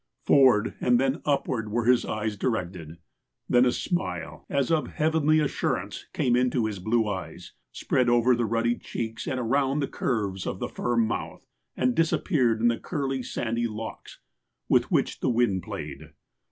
Forward and then upward were his eyes directed. Then a smile, as of heavenly assurance, came into hia blue eyes, spread over the ruddy cheeks, and around the curves of the firm mouth and disappeared in the curly, sandy locks with which the wind played.